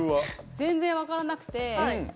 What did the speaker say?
全然、分からなくて。